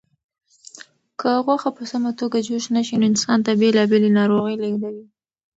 که غوښه په سمه توګه جوش نشي نو انسان ته بېلابېلې ناروغۍ لېږدوي.